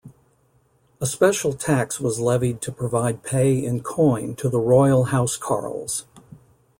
A special tax was levied to provide pay in coin to the royal housecarls.